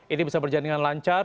ini bisa berjalan dengan lancar